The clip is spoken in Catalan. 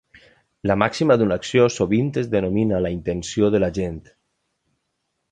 La màxima d'una acció sovint es denomina la intenció de l'agent.